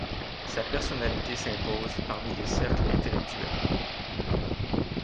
Sa personnalité s'impose parmi les cercles intellectuels.